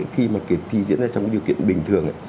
khi mà kỳ thi diễn ra trong điều kiện bình thường